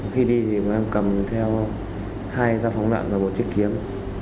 khi đi thì em cầm theo hai da phóng đoạn và một chiếc kiếm